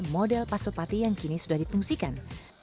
model pasopati yang kini sudah dipungsikan